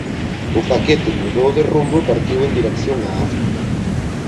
O paquete mudou de rumbo e partiu en dirección a África.